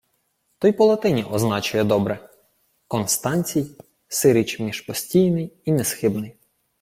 — То й по-латині означує добре: Констанцій — сиріч між постійний і несхибний.